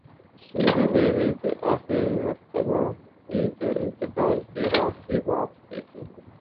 سری دیوی سے اخری مرتبہ انکے انتقال کی رات ہی بات کی تھی